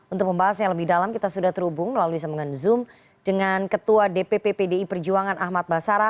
untuk pembahasannya lebih dalam kita sudah terhubung lalu bisa mengen zoom dengan ketua dpp pdi perjuangan ahmad basara